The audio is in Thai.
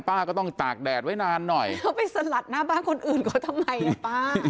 ป้าก็ต้องตากแดดไว้นานหน่อยเขาไปสลัดหน้าบ้านคนอื่นเขาทำไมอ่ะป้า